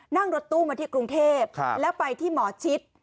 นั่งรถตู้มาที่กรุงเทพแล้วไปที่หมอชิด